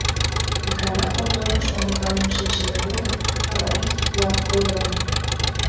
Икана конторышто мутланен шинчыме годым Палаги тудлан ойлен: